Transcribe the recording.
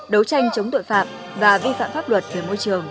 đấu tranh chống tội phạm và vi phạm pháp luật về môi trường